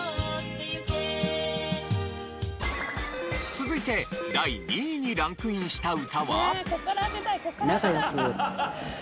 続いて第２位にランクインした歌は？